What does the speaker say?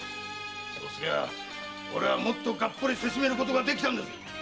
〔そうすりゃ俺はもっとガッポリせしめることができたんだ！〕